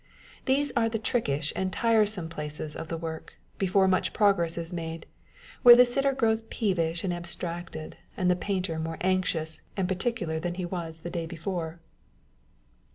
These are the ticklish and tiresome places of the work, before much progress is made, where the sitter grows peevish and abstracted, and the painter more anxious and particular than he was the day before.